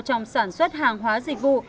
trong sản xuất hàng hóa dịch vụ